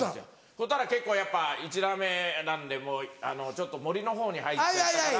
そしたら結構やっぱ１打目なんでもうちょっと森のほうに入っちゃったから。